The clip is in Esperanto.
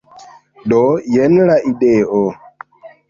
Do, jen la ideo